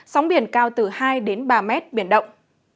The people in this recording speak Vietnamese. sóng biển cao từ hai đến ba mét biển động